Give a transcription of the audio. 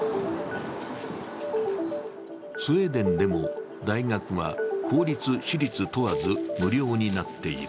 スウェーデンでも、大学は公立私立問わず無料になっている。